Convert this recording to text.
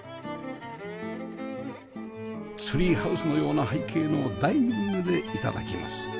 ツリーハウスのような背景のダイニングで頂きます